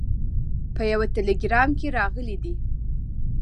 په یوه ټلګرام کې راغلي دي.